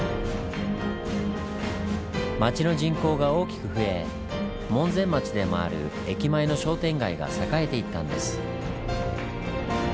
町の人口が大きく増え門前町でもある駅前の商店街が栄えていったんです。